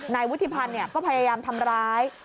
นายวุฒิพันธ์ก็พยายามทำร้าย